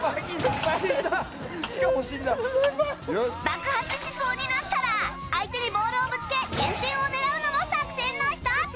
爆発しそうになったら相手にボールをぶつけ減点を狙うのも作戦の一つ